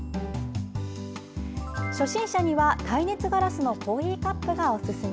初心者には耐熱ガラスのコーヒーカップがおすすめ。